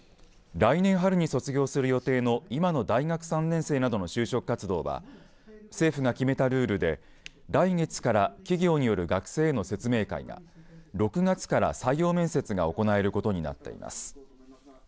来年春に卒業する予定の今の大学３年生などの就職活動は政府が決めたルールで、来月から企業による学生への説明会が６月から採用面接が行えることになっています。